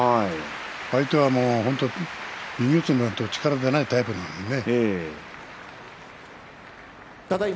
相手は右四つになると力が出ないタイプだからね。